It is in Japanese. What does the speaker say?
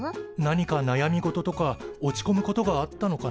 なにかなやみ事とか落ちこむことがあったのかなあ？